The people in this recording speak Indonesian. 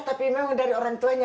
tapi memang dari orang tuanya